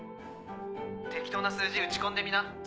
適当な数字打ち込んでみな。